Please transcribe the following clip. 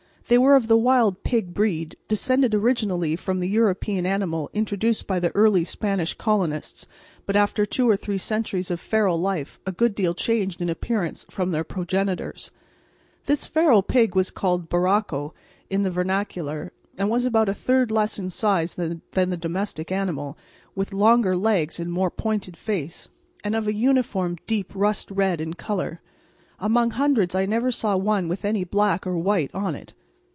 They were of the wild pig breed, descended originally from the European animal introduced by the early Spanish colonists, but after two or three centuries of feral life a good deal changed in appearance from their progenitors. This feral pig was called barraco in the vernacular, and was about a third less in size than the domestic animal, with longer legs and more pointed face, and of a uniform deep rust red in colour. Among hundreds I never saw one with any black or white on it.